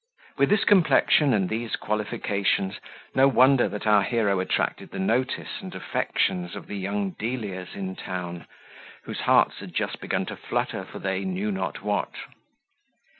With this complexion and these qualifications, no wonder that our hero attracted the notice and affections of the young Delias in town, whose hearts had just begun to flutter for they knew not what.